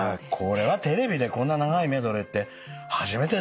テレビでこんな長いメドレーって初めてですね。